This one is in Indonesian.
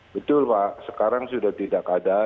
betul pak sekarang sudah tidak ada